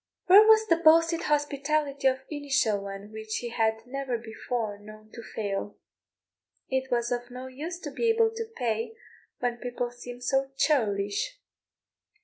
Where was the boasted hospitality of Innishowen, which he had never before known to fail? It was of no use to be able to pay when the people seemed so churlish.